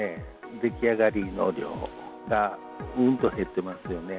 出来上がりの量がうんと減ってますよね。